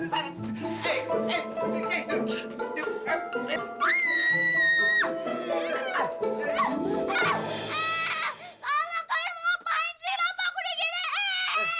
salah kalian mau ngapain sih kenapa aku begini